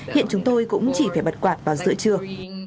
hiện chúng tôi cũng chỉ phải bật quạt vào giữa trưa